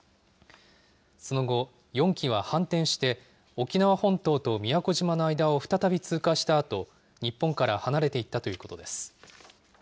その後、４機は反転して、沖縄本島と宮古島の間を再び通過したあと、日本から離れていったということです。